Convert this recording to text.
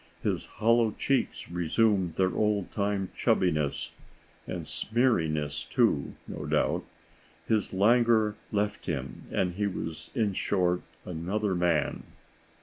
His hollow cheeks resumed their old time chubbiness (and smeariness too, no doubt), his languor left him, and he was, in short, another man.